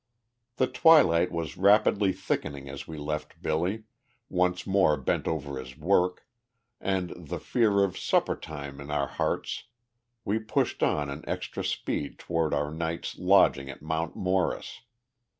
The twilight was rapidly thickening as we left Billy, once more bent over his work, and, the fear of "supper time" in our hearts, we pushed on at extra speed toward our night's lodging at Mount Morris.